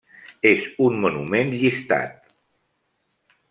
És un monument llistat.